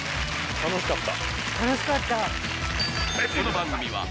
楽しかった。